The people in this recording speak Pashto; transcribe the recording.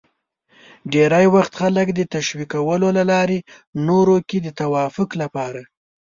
ډېری وخت خلک د تشویقولو له لارې نورو کې د توافق لپاره